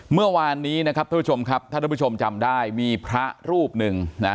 เมื่อวานนี้นะครับท่านผู้ชมครับถ้าท่านผู้ชมจำได้มีพระรูปหนึ่งนะ